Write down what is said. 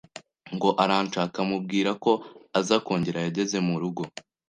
ngo aranshaka amubwira ko aza kongera yageze mu rugo.